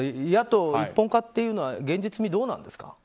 野党一本化というのは現実にどうなんですか。